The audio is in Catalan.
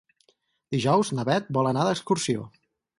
Dijous na Beth vol anar d'excursió.